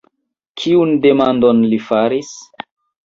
Kiun demandon li faris?